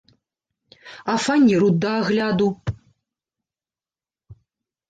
А фанеру да агляду?